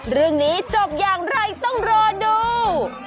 เรื่องนี้จบอย่างไรต้องรอดู